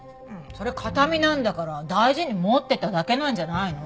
そりゃ形見なんだから大事に持ってただけなんじゃないの？